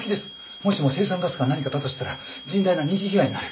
もしも青酸ガスか何かだとしたら甚大な二次被害になる。